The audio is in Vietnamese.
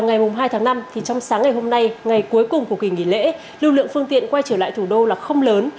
ngày hai tháng năm trong sáng ngày hôm nay ngày cuối cùng của kỳ nghỉ lễ lưu lượng phương tiện quay trở lại thủ đô là không lớn